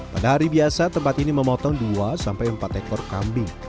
pada hari biasa tempat ini memotong dua sampai empat ekor kambing